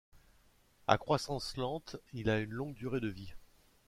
À croissance lente, il a une longue durée de vie.